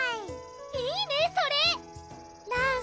いいねそれらん